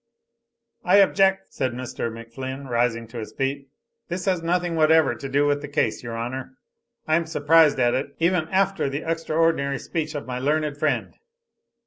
"I object," said Mr. McFlinn; rising to his feet. "This has nothing whatever to do with the case, your honor. I am surprised at it, even after the extraordinary speech of my learned friend."